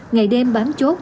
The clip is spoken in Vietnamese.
ngày đêm bám chốt